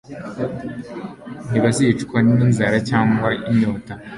Ntibazicwa n'inzara cyangwa inyota,